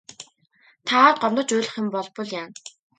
Та аавд гомдож уйлах юм болбол яана.